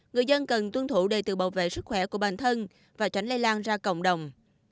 người dân cần tuân thủ đề tự bảo vệ sức khỏe của bản thân và tránh lây lan ra cộng đồng